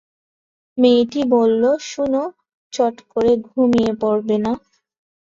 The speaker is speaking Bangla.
মেয়েটি বলল, শোন, চট করে ঘুমিয়ে পড়বে না।